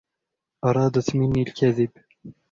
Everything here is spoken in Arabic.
أرادت منّي الكذب.